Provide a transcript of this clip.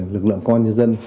lực lượng công an nhân dân